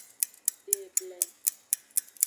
De eble.